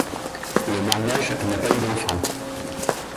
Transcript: Le mariage n'a pas eu d'enfants.